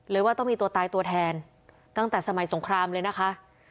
ว่าต้องมีตัวตายตัวแทนตั้งแต่สมัยสงครามเลยนะคะ